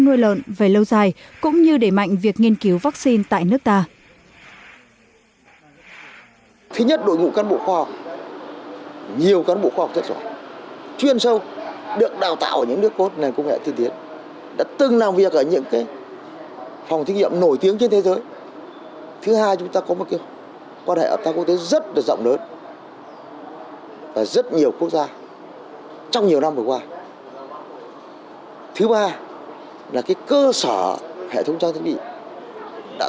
nuôi lợn về lâu dài cũng như để mạnh việc nghiên cứu vaccine tại nước ta